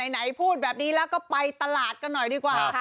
ไหนพูดแบบนี้แล้วก็ไปตลาดกันหน่อยดีกว่าค่ะ